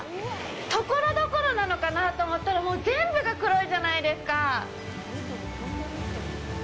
ところどころかなと思ったら全部が黒いじゃないですか。